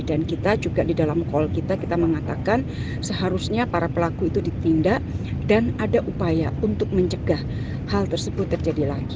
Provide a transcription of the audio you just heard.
dan kita juga di dalam call kita kita mengatakan seharusnya para pelaku itu ditindak dan ada upaya untuk mencegah hal tersebut terjadi lagi